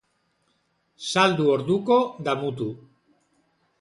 Saldu orduko, damutu.